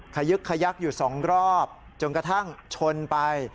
ขยึกขยักอยู่๒รอบจนกระทั่งชนไป